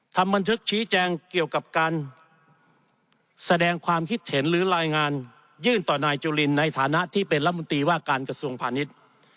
ทำบันทึกชี้แจงเกี่ยวกับการแสดงความคิดเห็นหรือรายงานยื่นต่อนายจุลินในฐานะที่เป็นรัฐมนตรีว่าการกระทรวงพาณิชย์